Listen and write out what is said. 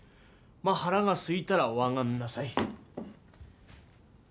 まあ腹がすいたらおあがんなさい。